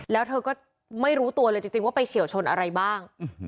แล้วเธอก็ไม่รู้ตัวเลยจริงว่าไปเฉียวชนอะไรบ้าง